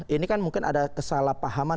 ini kan mungkin ada kesalahpahaman